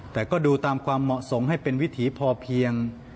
แต่ก็ดูตามความเหมาะสมให้เป็นวิถีพอเพียง